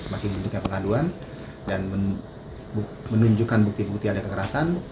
masih bentuknya pengaduan dan menunjukkan bukti bukti ada kekerasan